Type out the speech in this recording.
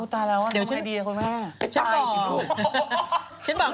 โอ้ตายแล้ววงไฮดีแล้วคุณแม่